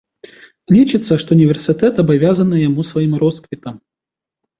Лічыцца, што ўніверсітэт абавязаны яму сваім росквітам.